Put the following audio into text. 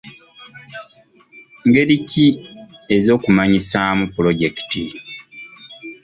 Ngeri ki ez'okumanyisaamu pulojekiti?